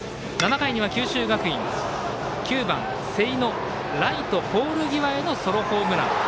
７回には九州学院、９番瀬井のライトポール際へのソロホームラン。